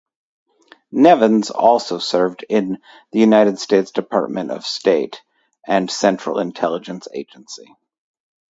Nevins also served in the United States Department of State and Central Intelligence Agency.